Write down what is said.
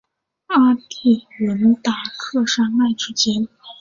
阿第伦达克山脉之间。